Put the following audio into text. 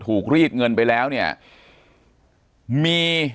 ปากกับภาคภูมิ